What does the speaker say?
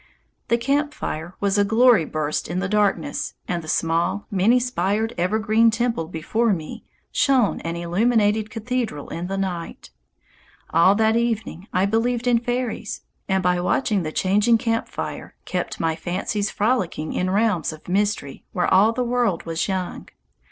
The camp fire was a glory burst in the darkness, and the small many spired evergreen temple before me shone an illuminated cathedral in the night. All that evening I believed in fairies, and by watching the changing camp fire kept my fancies frolicking in realms of mystery where all the world was young.